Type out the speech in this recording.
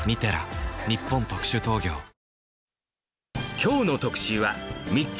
きょうの特集は、密着！